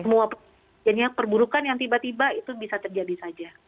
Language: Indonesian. semua jadinya perburukan yang tiba tiba itu bisa terjadi saja